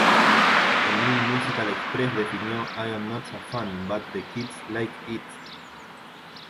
El New Musical Express, definió "I'm not a fan, But The Kids Like It!